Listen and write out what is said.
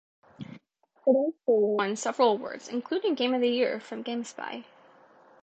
It also won several awards, including Game of the Year from GameSpy.